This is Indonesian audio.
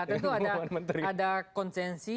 pengumuman menteri ya tentu ada konsensi